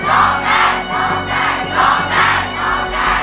โอ้ย